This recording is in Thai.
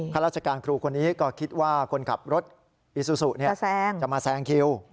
ข้าราชการครูคนนี้ก็คิดว่าคนขับรถอีซูซูจะมาแซงคิว